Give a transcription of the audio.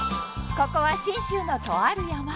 ここは信州のとある山